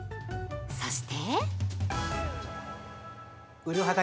そして！